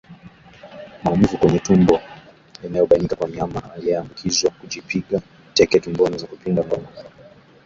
Maumivu kwenye tumbo yanayobainika kwa mnyama aliyeambukizwa kujipiga teke tumboni na kupinda mgongo